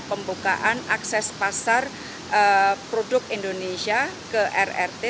pembukaan akses pasar produk indonesia ke rrt